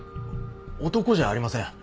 男じゃありません。